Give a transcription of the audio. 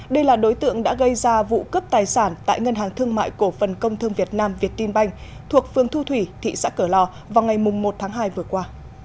đây là đối tượng đã gây ra vụ cướp tài sản tại ngân hàng thương mại cổ phần công thương việt nam việt tinh banh thuộc phương thu thủy thị xã cửa lò vào ngày một tháng hai vừa qua